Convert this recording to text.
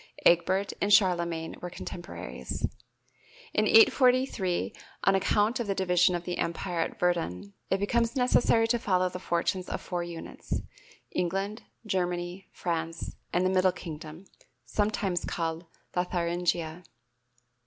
(Egbert and Charlemagne were contemporaries.) In 843, on account of the division of the Empire at Verdun, it becomes necessary to follow the fortunes of four units, England, Germany, France and the "Middle Kingdom," sometimes called Lotharingia.